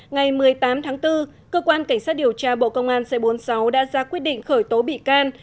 ngày một mươi tám tháng bốn cơ quan cảnh sát điều tra bộ công an c bốn mươi sáu đã ra quyết định khởi tố bị can